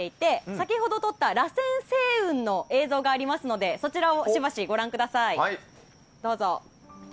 先ほど撮ったらせん星雲の写真がありますのでそちらをしばしご覧ください。